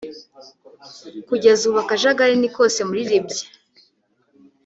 Kugeza ubu akajagari ni kose muri Libye